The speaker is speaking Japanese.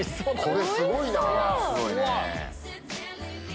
これすごいな！